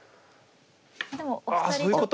でもお二人ちょっと。